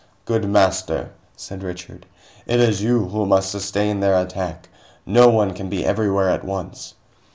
"Good Master," said Richard, "it is you who must sustain their attack. No one can be everywhere at once."